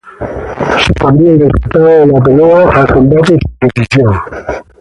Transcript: El resultado de la pelea fue cambiado a "combate sin decisión".